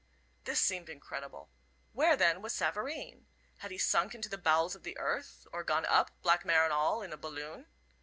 This seemed incredible. Where, then, was Savareen? Had he sunk into the bowels of the earth, or gone up, black mare and all, in a balloon?